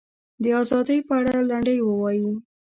د ازادۍ په اړه لنډۍ ووایي.